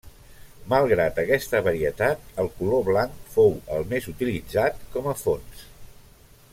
Malgrat aquesta varietat, el color blanc fou el més utilitzat com a fons.